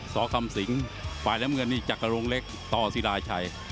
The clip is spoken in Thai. สคศิงฯ์ฝน้ำเงินจักรงเล็กตสิราชัย